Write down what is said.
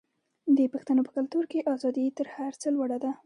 د پښتنو په کلتور کې ازادي تر هر څه لوړه ده.